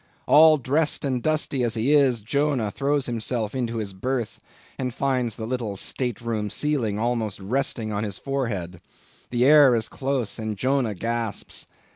All dressed and dusty as he is, Jonah throws himself into his berth, and finds the little state room ceiling almost resting on his forehead. The air is close, and Jonah gasps.